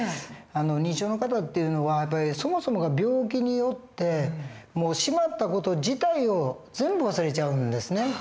認知症の方っていうのはそもそもが病気によってしまった事自体を全部忘れちゃうんですね。